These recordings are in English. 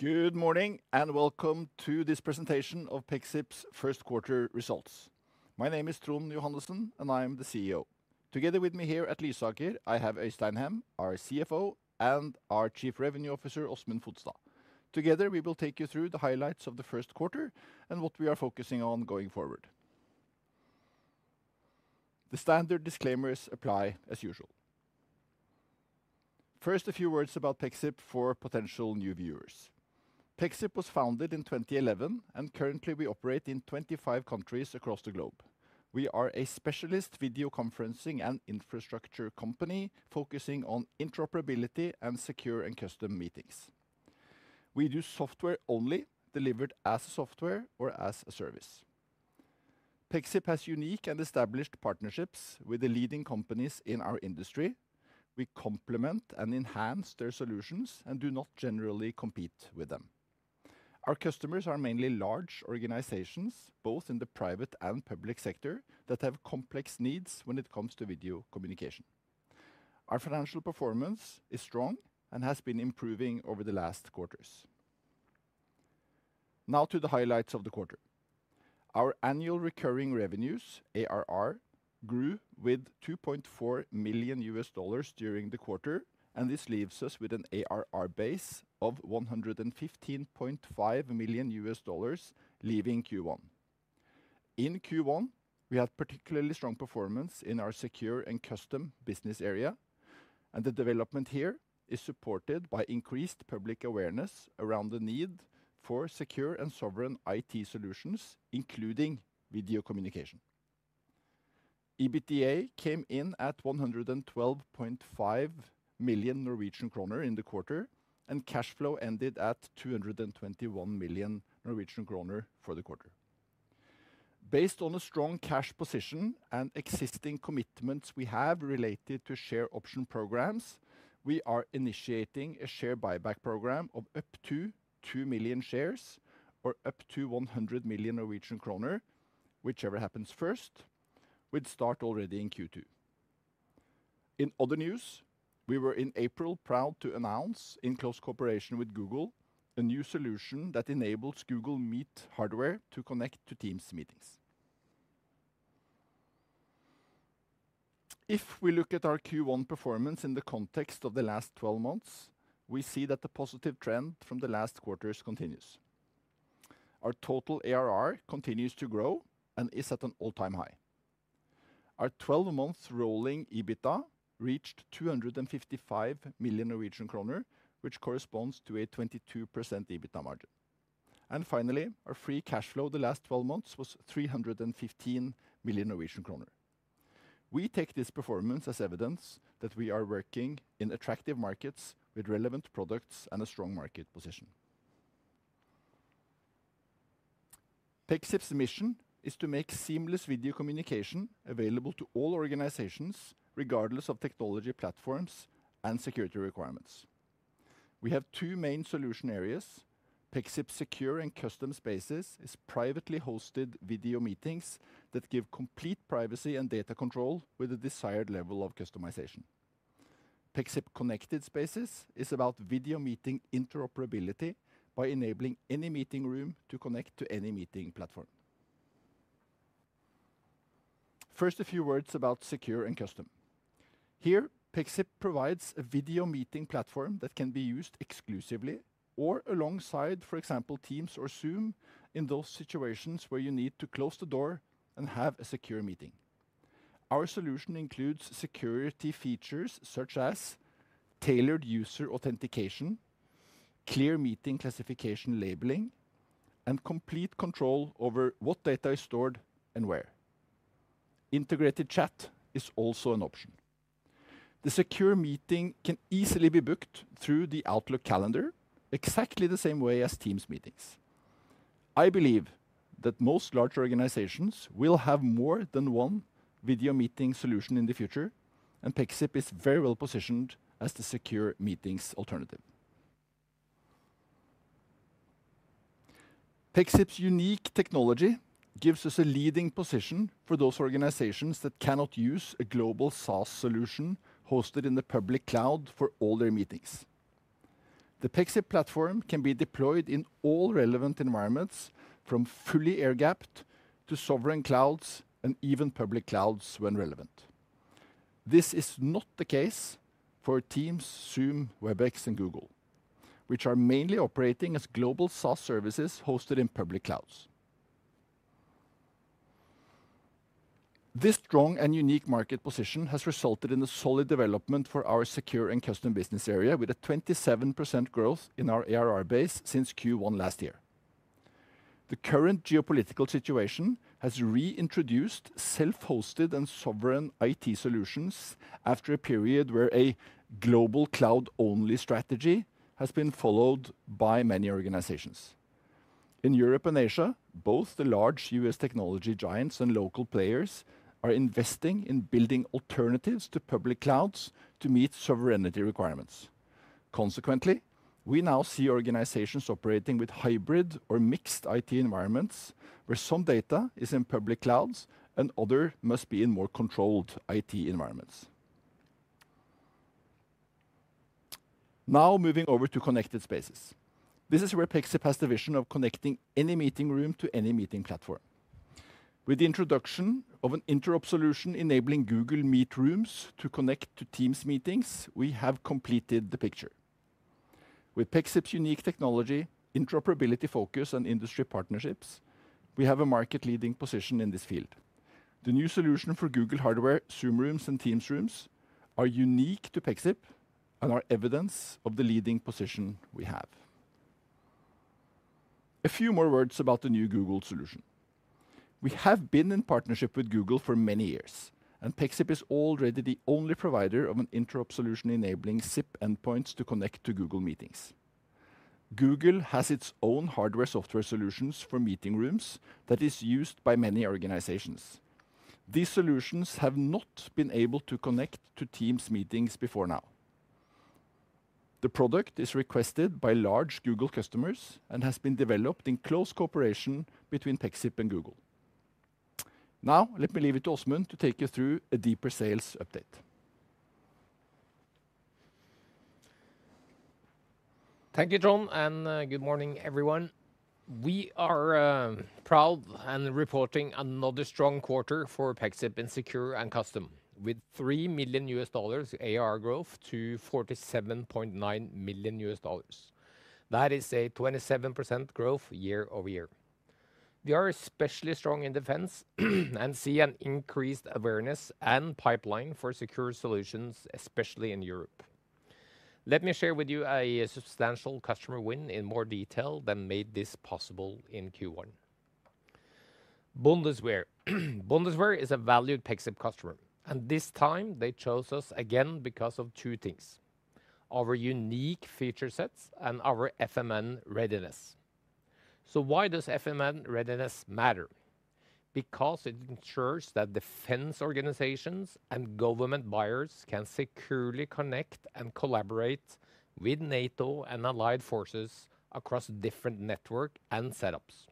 Good morning, and welcome to this presentation of Pexip's first quarter results. My name is Trond Johannessen, and I am the CEO. Together with me here at Lysaker, I have Øystein Hem, our CFO, and our Chief Revenue Officer, Åsmund Fodstad. Together, we will take you through the highlights of the first quarter and what we are focusing on going forward. The standard disclaimers apply as usual. First, a few words about Pexip for potential new viewers. Pexip was founded in 2011, and currently we operate in 25 countries across the globe. We are a specialist video conferencing and infrastructure company focusing on interoperability and secure and custom meetings. We do software only, delivered as software or as a service. Pexip has unique and established partnerships with the leading companies in our industry. We complement and enhance their solutions and do not generally compete with them. Our customers are mainly large organizations, both in the private and public sector, that have complex needs when it comes to video communication. Our financial performance is strong and has been improving over the last quarters. Now to the highlights of the quarter. Our annual recurring revenues, ARR, grew with NOK 2.4 million during the quarter, and this leaves us with an ARR base of NOK 115.5 million leaving Q1. In Q1, we had particularly strong performance in our secure and custom business area, and the development here is supported by increased public awareness around the need for secure and sovereign IT solutions, including video communication. EBITDA came in at 112.5 million Norwegian kroner in the quarter, and cash flow ended at 221 million Norwegian kroner for the quarter. Based on a strong cash position and existing commitments we have related to share option programs, we are initiating a share buyback program of up to 2 million shares or up to 100 million Norwegian kroner, whichever happens first, which start already in Q2. In other news, we were in April proud to announce, in close cooperation with Google, a new solution that enables Google Meet hardware to connect to Teams meetings. If we look at our Q1 performance in the context of the last 12 months, we see that the positive trend from the last quarters continues. Our total ARR continues to grow and is at an all-time high. Our 12-month rolling EBITDA reached 255 million Norwegian kroner, which corresponds to a 22% EBITDA margin. Finally, our free cash flow the last 12 months was 315 million Norwegian kroner. We take this performance as evidence that we are working in attractive markets with relevant products and a strong market position. Pexip's mission is to make seamless video communication available to all organizations, regardless of technology platforms and security requirements. We have two main solution areas. Pexip Secure and Custom Spaces is privately hosted video meetings that give complete privacy and data control with a desired level of customization. Pexip Connected Spaces is about video meeting interoperability by enabling any meeting room to connect to any meeting platform. First, a few words about Secure and Custom. Here, Pexip provides a video meeting platform that can be used exclusively or alongside, for example, Teams or Zoom in those situations where you need to close the door and have a secure meeting. Our solution includes security features such as tailored user authentication, clear meeting classification labeling, and complete control over what data is stored and where. Integrated chat is also an option. The secure meeting can easily be booked through the Outlook calendar exactly the same way as Teams meetings. I believe that most large organizations will have more than one video meeting solution in the future, and Pexip is very well positioned as the secure meetings alternative. Pexip's unique technology gives us a leading position for those organizations that cannot use a global SaaS solution hosted in the public cloud for all their meetings. The Pexip platform can be deployed in all relevant environments, from fully air-gapped to sovereign clouds and even public clouds when relevant. This is not the case for Teams, Zoom, Webex, and Google, which are mainly operating as global SaaS services hosted in public clouds. This strong and unique market position has resulted in a solid development for our secure and custom business area, with a 27% growth in our ARR base since Q1 last year. The current geopolitical situation has reintroduced self-hosted and sovereign IT solutions after a period where a global cloud-only strategy has been followed by many organizations. In Europe and Asia, both the large US technology giants and local players are investing in building alternatives to public clouds to meet sovereignty requirements. Consequently, we now see organizations operating with hybrid or mixed IT environments, where some data is in public clouds and other must be in more controlled IT environments. Now moving over to Connected Spaces. This is where Pexip has the vision of connecting any meeting room to any meeting platform. With the introduction of an interop solution enabling Google Meet rooms to connect to Teams meetings, we have completed the picture. With Pexip's unique technology, interoperability focus, and industry partnerships, we have a market-leading position in this field. The new solution for Google hardware, Zoom Rooms, and Teams Rooms are unique to Pexip and are evidence of the leading position we have. A few more words about the new Google solution. We have been in partnership with Google for many years, and Pexip is already the only provider of an interop solution enabling SIP endpoints to connect to Google Meet. Google has its own hardware-software solutions for meeting rooms that are used by many organizations. These solutions have not been able to connect to Teams meetings before now. The product is requested by large Google customers and has been developed in close cooperation between Pexip and Google. Now, let me leave it to Åsmund to take us through a deeper sales update. Thank you, Trond, and good morning, everyone. We are proud and reporting another strong quarter for Pexip in secure and custom, with NOK 3 million ARR growth to NOK 47.9 million. That is a 27% growth year over year. We are especially strong in defense and see an increased awareness and pipeline for secure solutions, especially in Europe. Let me share with you a substantial customer win in more detail that made this possible in Q1. Bundeswehr. Bundeswehr is a valued Pexip customer, and this time they chose us again because of two things: our unique feature sets and our FMN readiness. Why does FMN readiness matter? Because it ensures that defense organizations and government buyers can securely connect and collaborate with NATO and allied forces across different networks and setups.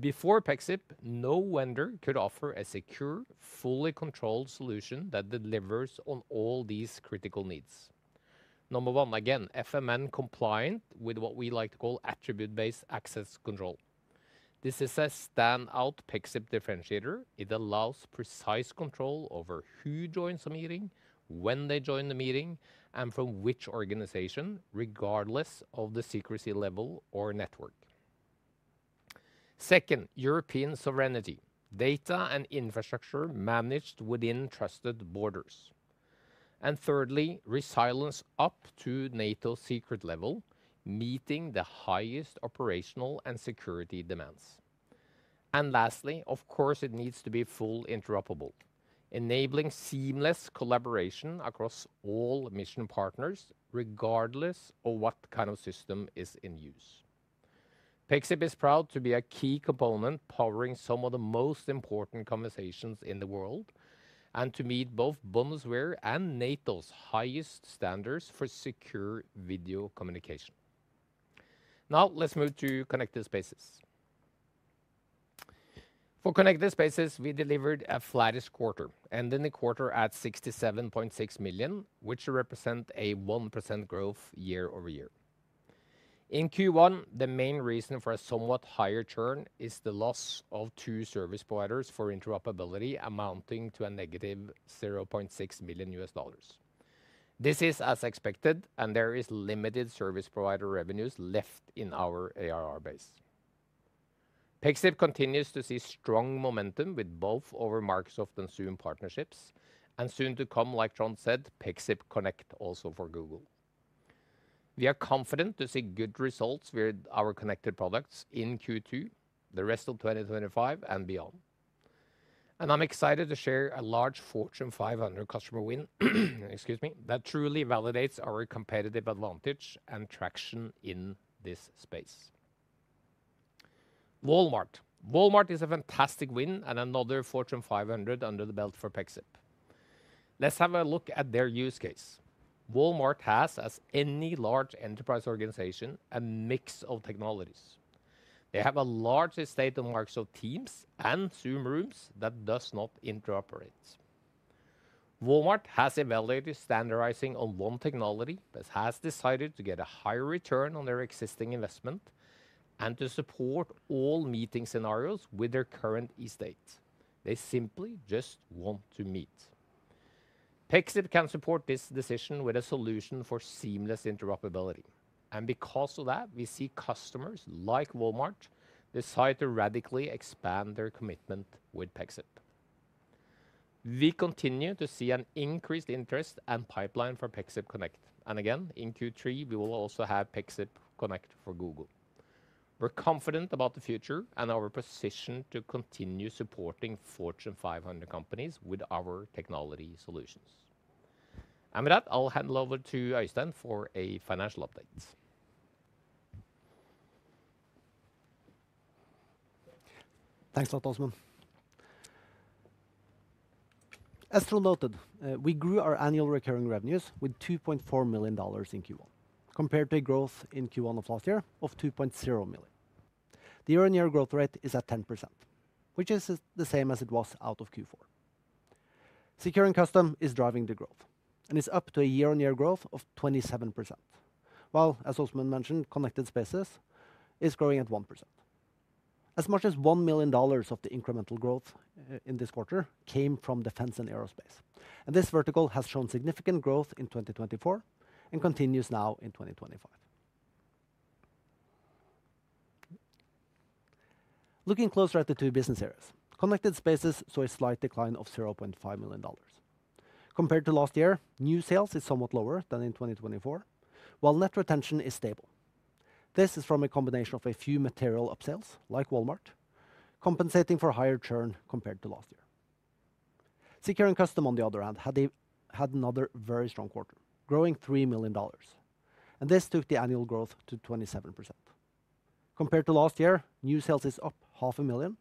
Before Pexip, no vendor could offer a secure, fully controlled solution that delivers on all these critical needs. Number one, again, FMN compliant with what we like to call attribute-based access control. This is a standout Pexip differentiator. It allows precise control over who joins a meeting, when they join the meeting, and from which organization, regardless of the secrecy level or network. Second, European sovereignty. Data and infrastructure managed within trusted borders. Thirdly, resilience up to NATO secret level, meeting the highest operational and security demands. Lastly, of course, it needs to be fully interoperable, enabling seamless collaboration across all mission partners, regardless of what kind of system is in use. Pexip is proud to be a key component powering some of the most important conversations in the world and to meet both Bundeswehr and NATO's highest standards for secure video communication. Now, let's move to Connected Spaces. For Connected Spaces, we delivered a flattest quarter, ending the quarter at 67.6 million, which represents a 1% growth year over year. In Q1, the main reason for a somewhat higher churn is the loss of two service providers for interoperability amounting to a negative NOK 0.6 million. This is as expected, and there are limited service provider revenues left in our ARR base. Pexip continues to see strong momentum with both our Microsoft and Zoom partnerships, and soon to come, like Trond said, Pexip Connect also for Google. We are confident to see good results with our connected products in Q2, the rest of 2025, and beyond. I'm excited to share a large Fortune 500 customer win that truly validates our competitive advantage and traction in this space. Walmart. Walmart is a fantastic win and another Fortune 500 under the belt for Pexip. Let's have a look at their use case. Walmart has, as any large enterprise organization, a mix of technologies. They have a large estate of Microsoft Teams and Zoom Rooms that does not interoperate. Walmart has evaluated standardizing on one technology that has decided to get a higher return on their existing investment and to support all meeting scenarios with their current estate. They simply just want to meet. Pexip can support this decision with a solution for seamless interoperability. Because of that, we see customers like Walmart decide to radically expand their commitment with Pexip. We continue to see an increased interest and pipeline for Pexip Connect. Again, in Q3, we will also have Pexip Connect for Google. We're confident about the future and our position to continue supporting Fortune 500 companies with our technology solutions. With that, I'll hand it over to Øystein for a financial update. Thanks a lot, Åsmund. As Trond noted, we grew our annual recurring revenues with NOK 2.4 million in Q1, compared to a growth in Q1 of last year of 2.0 million. The year-on-year growth rate is at 10%, which is the same as it was out of Q4. Secure and custom is driving the growth, and it's up to a year-on-year growth of 27%, while, as Åsmund mentioned, Connected Spaces is growing at 1%. As much as NOK 1 million of the incremental growth in this quarter came from defense and aerospace. This vertical has shown significant growth in 2024 and continues now in 2025. Looking closer at the two business areas, Connected Spaces saw a slight decline of NOK 0.5 million. Compared to last year, new sales are somewhat lower than in 2024, while net retention is stable. This is from a combination of a few material upsales like Walmart, compensating for higher churn compared to last year. Secure and custom, on the other hand, had another very strong quarter, growing NOK 3 million, and this took the annual growth to 27%. Compared to last year, new sales are up 500,000,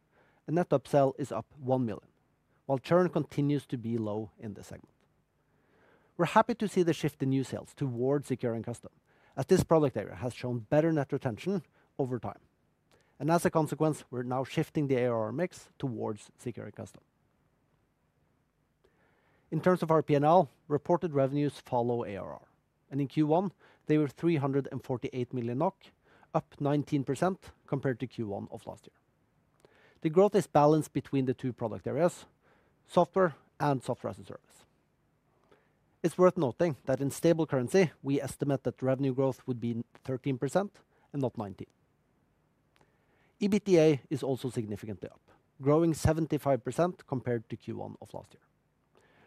and net upsell is up 1 million, while churn continues to be low in this segment. We are happy to see the shift in new sales towards secure and custom, as this product area has shown better net retention over time. As a consequence, we are now shifting the ARR mix towards secure and custom. In terms of our P&L, reported revenues follow ARR, and in Q1, they were 348 million NOK, up 19% compared to Q1 of last year. The growth is balanced between the two product areas, software and software as a service. It's worth noting that in stable currency, we estimate that revenue growth would be 13% and not 19%. EBITDA is also significantly up, growing 75% compared to Q1 of last year.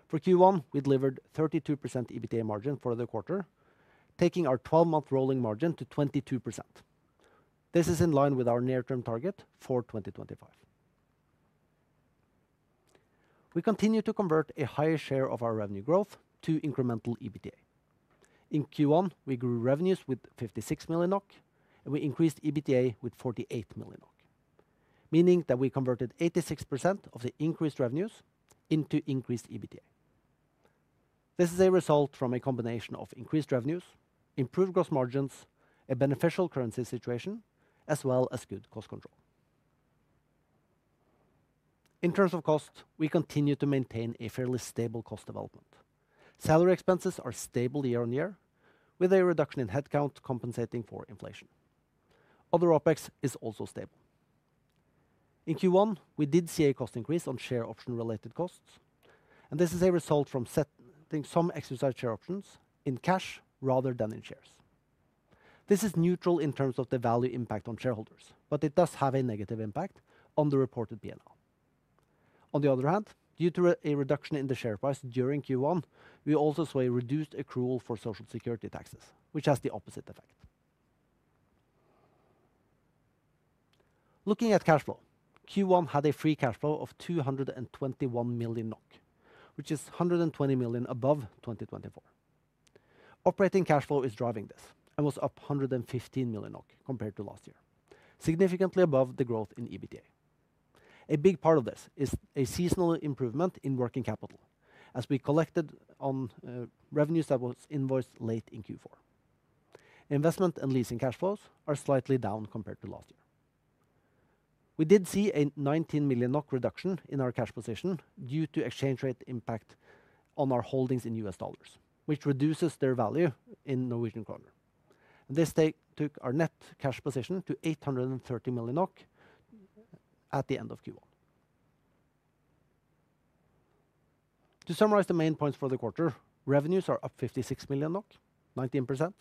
For Q1, we delivered a 32% EBITDA margin for the quarter, taking our 12-month rolling margin to 22%. This is in line with our near-term target for 2025. We continue to convert a higher share of our revenue growth to incremental EBITDA. In Q1, we grew revenues with 56 million NOK, and we increased EBITDA with 48 million NOK, meaning that we converted 86% of the increased revenues into increased EBITDA. This is a result from a combination of increased revenues, improved gross margins, a beneficial currency situation, as well as good cost control. In terms of cost, we continue to maintain a fairly stable cost development. Salary expenses are stable year on year, with a reduction in headcount compensating for inflation. Other opex is also stable. In Q1, we did see a cost increase on share option-related costs, and this is a result from setting some exercise share options in cash rather than in shares. This is neutral in terms of the value impact on shareholders, but it does have a negative impact on the reported P&L. On the other hand, due to a reduction in the share price during Q1, we also saw a reduced accrual for social security taxes, which has the opposite effect. Looking at cash flow, Q1 had a free cash flow of 221 million NOK, which is 120 million above 2024. Operating cash flow is driving this and was up 115 million NOK compared to last year, significantly above the growth in EBITDA. A big part of this is a seasonal improvement in working capital, as we collected on revenues that were invoiced late in Q4. Investment and leasing cash flows are slightly down compared to last year. We did see a 19 million NOK reduction in our cash position due to exchange rate impact on our holdings in US dollars, which reduces their value in Norwegian kroner. This took our net cash position to 830 million NOK at the end of Q1. To summarize the main points for the quarter, revenues are up 56 million NOK, 19%,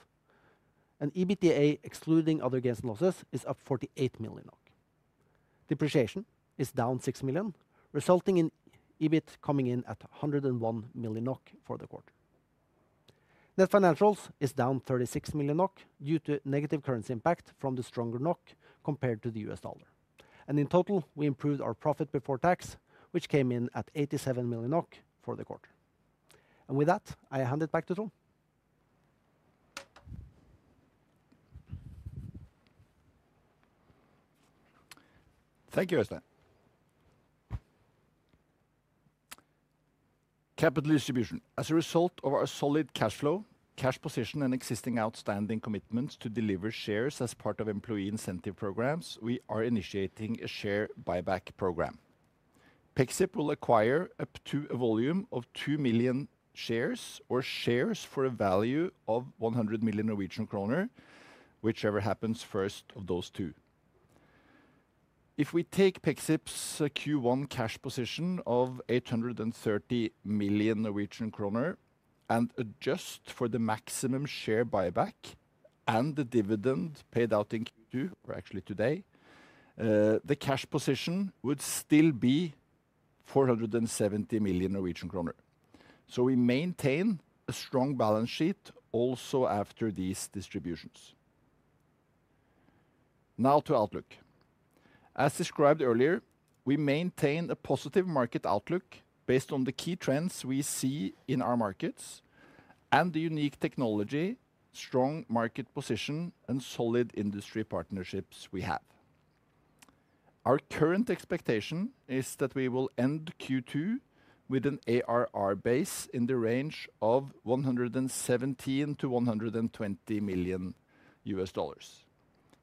and EBITDA, excluding other gains and losses, is up 48 million NOK. Depreciation is down 6 million, resulting in EBIT coming in at 101 million NOK for the quarter. Net financials is down 36 million NOK due to negative currency impact from the stronger NOK compared to the US dollar. In total, we improved our profit before tax, which came in at 87 million NOK for the quarter. With that, I hand it back to Trond. Thank you, Øystein. Capital distribution. As a result of our solid cash flow, cash position, and existing outstanding commitments to deliver shares as part of employee incentive programs, we are initiating a share buyback program. Pexip will acquire up to a volume of 2 million shares or shares for a value of 100 million Norwegian kroner, whichever happens first of those two. If we take Pexip's Q1 cash position of 830 million Norwegian kroner and adjust for the maximum share buyback and the dividend paid out in Q2, or actually today, the cash position would still be 470 million Norwegian kroner. We maintain a strong balance sheet also after these distributions. Now to Outlook. As described earlier, we maintain a positive market Outlook based on the key trends we see in our markets and the unique technology, strong market position, and solid industry partnerships we have. Our current expectation is that we will end Q2 with an ARR base in the range of NOK 117 million-NOK 120 million.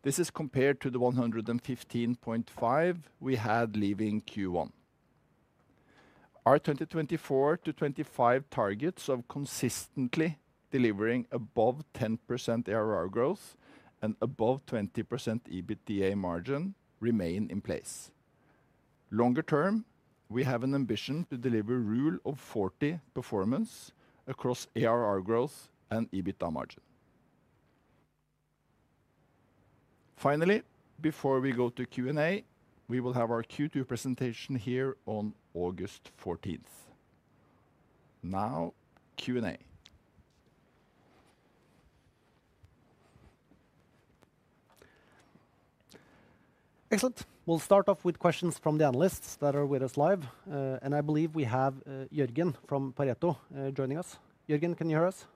This is compared to the 115.5 million we had leaving Q1. Our 2024 to 2025 targets of consistently delivering above 10% ARR growth and above 20% EBITDA margin remain in place. Longer term, we have an ambition to deliver a rule of 40 performance across ARR growth and EBITDA margin. Finally, before we go to Q&A, we will have our Q2 presentation here on August 14th. Now, Q&A. Excellent. We'll start off with questions from the analysts that are with us live. I believe we have Jørgen from Pareto joining us. Jørgen, can you hear us?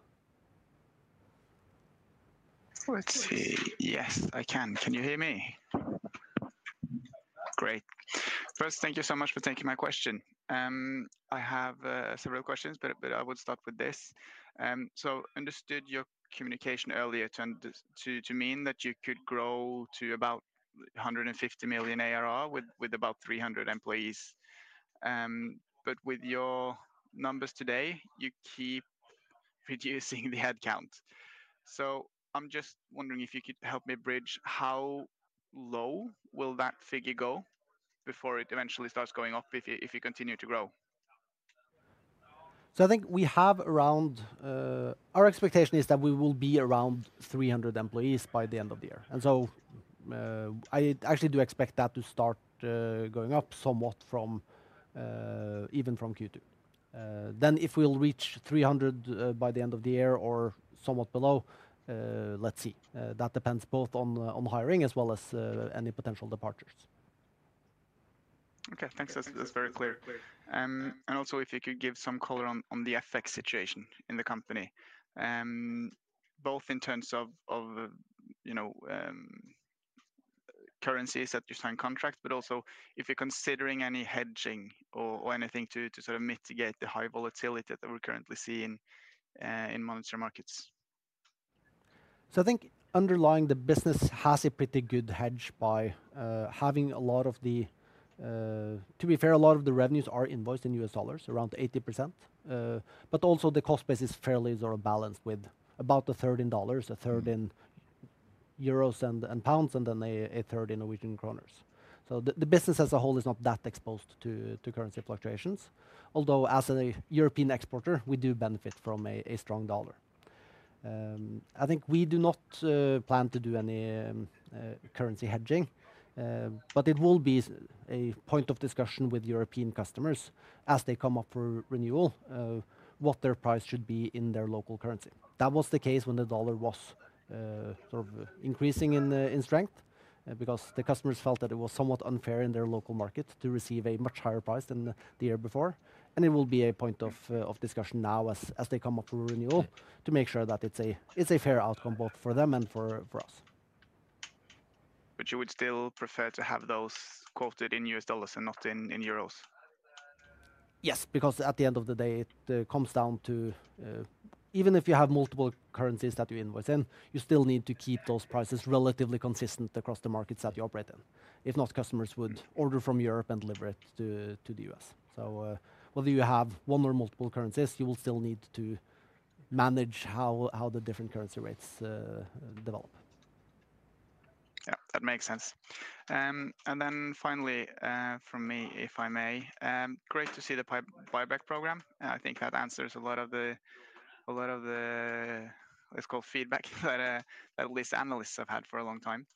Let's see. Yes, I can. Can you hear me? Great. First, thank you so much for taking my question. I have several questions, but I would start with this. I understood your communication earlier to mean that you could grow to about 150 million ARR with about 300 employees. With your numbers today, you keep reducing the headcount. I am just wondering if you could help me bridge how low will that figure go before it eventually starts going up if you continue to grow. I think we have around our expectation is that we will be around 300 employees by the end of the year. I actually do expect that to start going up somewhat even from Q2. If we will reach 300 by the end of the year or somewhat below, let's see. That depends both on hiring as well as any potential departures. Okay, thanks. That's very clear. Also, if you could give some color on the FX situation in the company, both in terms of currencies that you sign contracts, but also if you're considering any hedging or anything to sort of mitigate the high volatility that we're currently seeing in monetary markets. I think underlying the business has a pretty good hedge by having a lot of the, to be fair, a lot of the revenues are invoiced in US dollars, around 80%. Also, the cost base is fairly balanced with about a third in dollars, a third in euros and pounds, and then a third in Norwegian kroners. The business as a whole is not that exposed to currency fluctuations. Although as a European exporter, we do benefit from a strong dollar. I think we do not plan to do any currency hedging, but it will be a point of discussion with European customers as they come up for renewal what their price should be in their local currency. That was the case when the dollar was sort of increasing in strength because the customers felt that it was somewhat unfair in their local market to receive a much higher price than the year before. It will be a point of discussion now as they come up for renewal to make sure that it is a fair outcome both for them and for us. You would still prefer to have those quoted in US dollars and not in euros? Yes, because at the end of the day, it comes down to even if you have multiple currencies that you invoice in, you still need to keep those prices relatively consistent across the markets that you operate in. If not, customers would order from Europe and deliver it to the U.S. Whether you have one or multiple currencies, you will still need to manage how the different currency rates develop. Yeah, that makes sense. Finally, for me, if I may, great to see the buyback program. I think that answers a lot of the, let's call it feedback that at least analysts have had for a long time.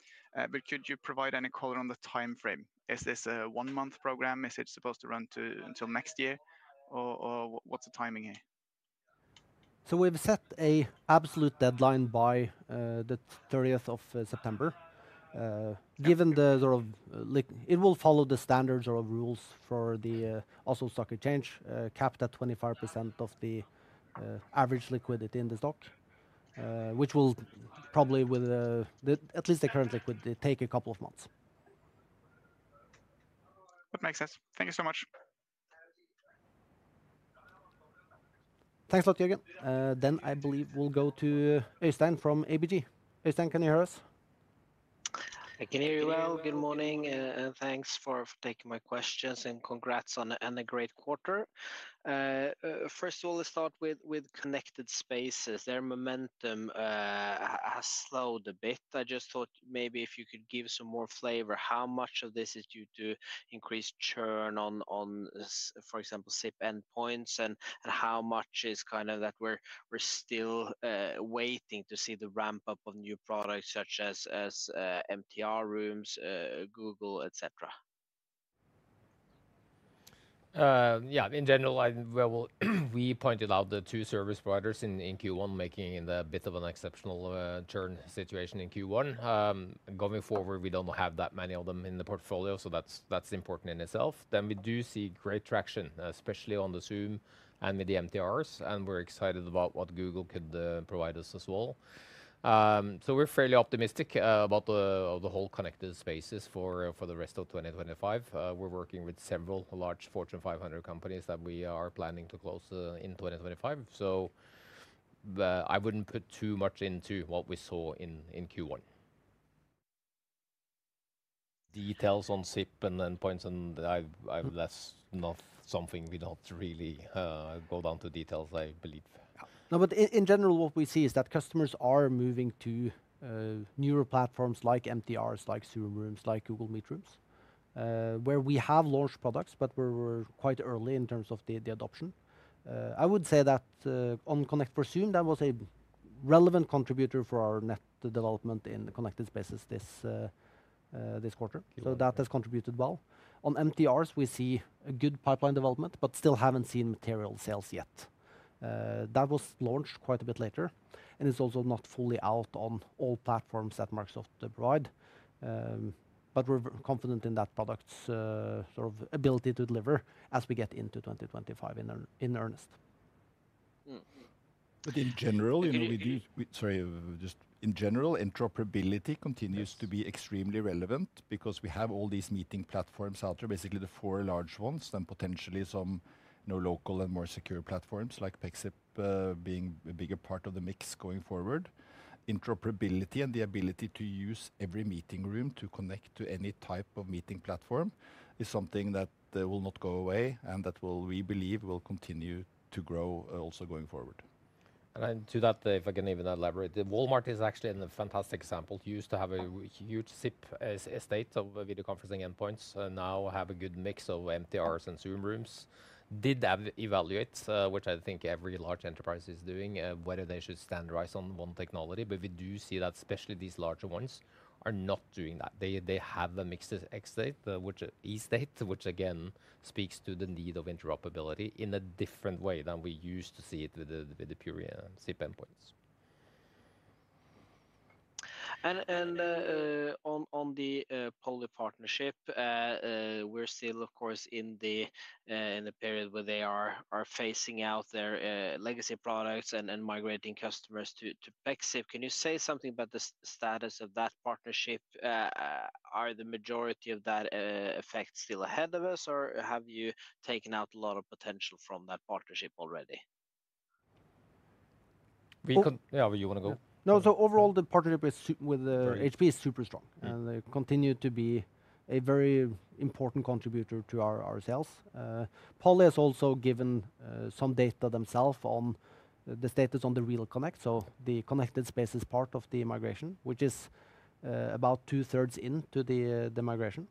Could you provide any color on the timeframe? Is this a one-month program? Is it supposed to run until next year? What's the timing here? We've set an absolute deadline by the 30th of September. Given the sort of, it will follow the standard sort of rules for the Oslo Stock Exchange, capped at 25% of the average liquidity in the stock, which will probably, with at least the current liquidity, take a couple of months. That makes sense. Thank you so much. Thanks a lot, Jørgen. I believe we'll go to Øystein from ABG. Øystein, can you hear us? I can hear you well. Good morning. Thanks for taking my questions and congrats on a great quarter. First of all, let's start with Connected Spaces. Their momentum has slowed a bit. I just thought maybe if you could give some more flavor, how much of this is due to increased churn on, for example, SIP endpoints? How much is kind of that we're still waiting to see the ramp up of new products such as MTR rooms, Google, etc.? Yeah, in general, we pointed out the two service providers in Q1 making a bit of an exceptional churn situation in Q1. Going forward, we do not have that many of them in the portfolio, so that is important in itself. Then we do see great traction, especially on the Zoom and with the MTRs, and we are excited about what Google could provide us as well. We are fairly optimistic about the whole connected spaces for the rest of 2025. We are working with several large Fortune 500 companies that we are planning to close in 2025. I would not put too much into what we saw in Q1. Details on SIP and endpoints and I have left something we do not really go down to details, I believe. No, but in general, what we see is that customers are moving to newer platforms like MTRs, like Zoom Rooms, like Google Meet rooms, where we have launched products, but we're quite early in terms of the adoption. I would say that on Connect for Zoom, that was a relevant contributor for our net development in Connected Spaces this quarter. That has contributed well. On MTRs, we see a good pipeline development, but still have not seen material sales yet. That was launched quite a bit later, and it is also not fully out on all platforms that Microsoft provides. We are confident in that product's sort of ability to deliver as we get into 2025 in earnest. In general, you know, we do, sorry, just in general, interoperability continues to be extremely relevant because we have all these meeting platforms out there, basically the four large ones, then potentially some local and more secure platforms like Pexip being a bigger part of the mix going forward. Interoperability and the ability to use every meeting room to connect to any type of meeting platform is something that will not go away and that we believe will continue to grow also going forward. To that, if I can even elaborate, Walmart is actually a fantastic example. Used to have a huge SIP estate of video conferencing endpoints and now have a good mix of MTRs and Zoom Rooms. Did evaluate, which I think every large enterprise is doing, whether they should standardize on one technology, but we do see that especially these larger ones are not doing that. They have a mixed estate, which again speaks to the need of interoperability in a different way than we used to see it with the pure SIP endpoints. On the Poly partnership, we're still, of course, in the period where they are phasing out their legacy products and migrating customers to Pexip. Can you say something about the status of that partnership? Are the majority of that effect still ahead of us, or have you taken out a lot of potential from that partnership already? Yeah, you want to go? No, so overall, the partnership with HP is super strong and they continue to be a very important contributor to our sales. Poly has also given some data themselves on the status on the RealConnect. The Connected Space is part of the migration, which is about two-thirds into the migration.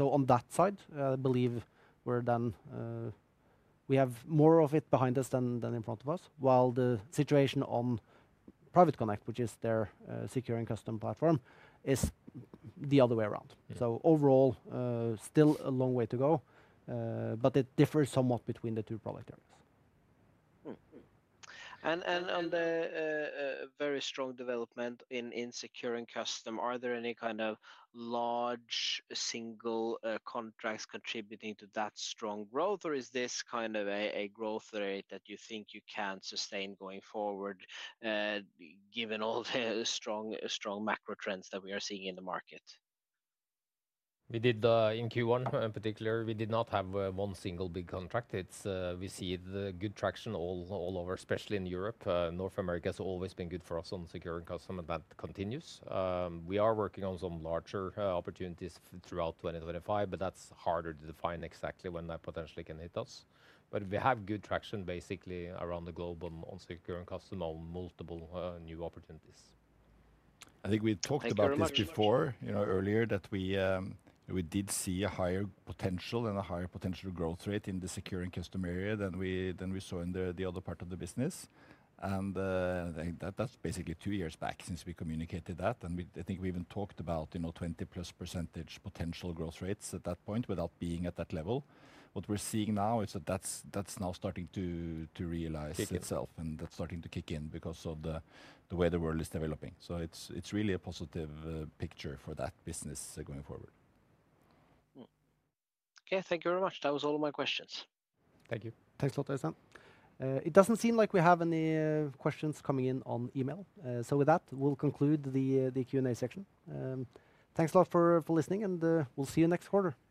On that side, I believe we're done. We have more of it behind us than in front of us, while the situation on Private Connect, which is their secure and custom platform, is the other way around. Overall, still a long way to go, but it differs somewhat between the two product areas. On the very strong development in secure and custom, are there any kind of large single contracts contributing to that strong growth, or is this kind of a growth rate that you think you can sustain going forward, given all the strong macro trends that we are seeing in the market? We did in Q1 in particular, we did not have one single big contract. We see the good traction all over, especially in Europe. North America has always been good for us on secure and custom, and that continues. We are working on some larger opportunities throughout 2025, but that is harder to define exactly when that potentially can hit us. We have good traction basically around the globe on secure and custom on multiple new opportunities. I think we talked about this before, earlier, that we did see a higher potential and a higher potential growth rate in the secure and custom area than we saw in the other part of the business. That's basically two years back since we communicated that. I think we even talked about 20+% potential growth rates at that point without being at that level. What we're seeing now is that that's now starting to realize itself and that's starting to kick in because of the way the world is developing. It's really a positive picture for that business going forward. Okay, thank you very much. That was all of my questions. Thank you. Thanks a lot, Øystein. It does not seem like we have any questions coming in on email. With that, we will conclude the Q&A section. Thanks a lot for listening, and we will see you next quarter.